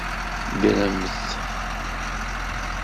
Ddremt!